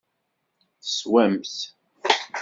Teswamt.